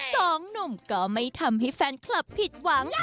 สองหนุ่มก็ไม่ทำให้แฟนคลับผิดหวัง